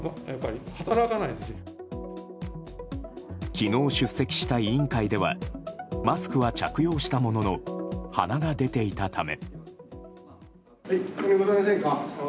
昨日、出席した委員会ではマスクは着用したものの鼻が出ていたため。